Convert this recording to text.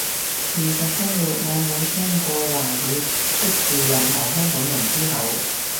現實生活我冇聽過華語出自任何香港人之口